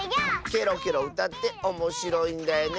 ケロケロうたっておもしろいんだよね